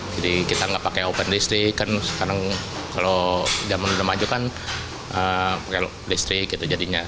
jadi kita nggak pakai oven listrik kan sekarang kalau zaman udah maju kan pakai listrik gitu jadinya